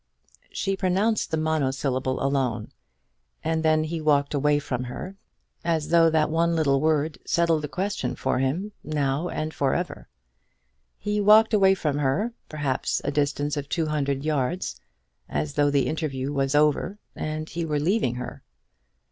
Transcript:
She pronounced the monosyllable alone, and then he walked away from her as though that one little word settled the question for him, now and for ever. He walked away from her, perhaps a distance of two hundred yards, as though the interview was over, and he were leaving her.